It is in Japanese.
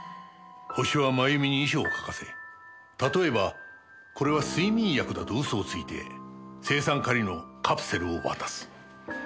ホシはまゆみに遺書を書かせ例えば「これは睡眠薬だ」と嘘をついて青酸カリのカプセルを渡す。